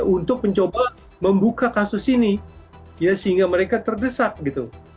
untuk mencoba membuka kasus ini ya sehingga mereka terdesak gitu